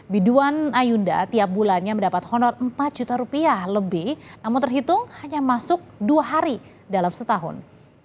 biduan ayunda tiap bulannya mendapat honor empat juta rupiah lebih namun terhitung hanya masuk dua hari dalam setahun